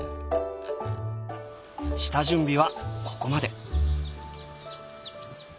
下準備はここまで。